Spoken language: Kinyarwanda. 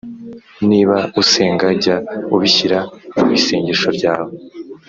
niba usenga jya ubishyira mu isengesho ryawe